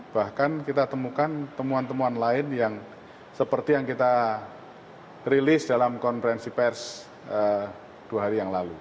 bahkan kita temukan temuan temuan lain yang seperti yang kita rilis dalam konferensi pers dua hari yang lalu